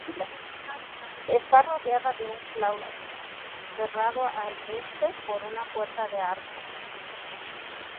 Está rodeada de un claustro, cerrado al este por una puerta de arco.